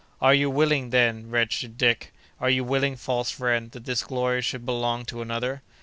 "Are you willing, then, wretched Dick—are you willing, false friend—that this glory should belong to another?